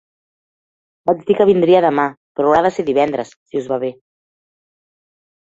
Vaig dir que vindria demà però haurà de ser divendres, si us va bé.